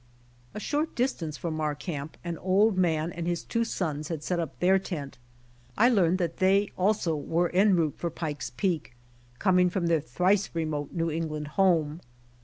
A short distance from our camp an old man and his two sons had set up their tent. I learned that they also were en route for Pike's Peak, coming from 9 10 BY OX TKAM TO CALIFORNIA their thrice remote !New England home.